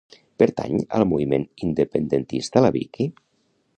Pertany al moviment independentista la Vicky?